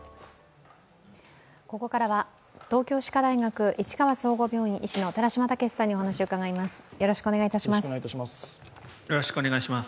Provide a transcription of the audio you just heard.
ここからは東京歯科大学市川総合病院医師の寺嶋毅さんにお話を伺います。